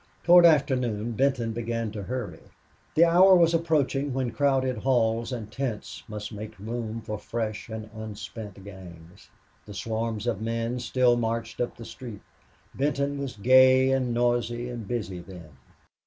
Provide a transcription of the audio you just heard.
Toward afternoon Benton began to hurry. The hour was approaching when crowded halls and tents must make room for fresh and unspent gangs. The swarms of men still marched up the street. Benton was gay and noisy and busy then.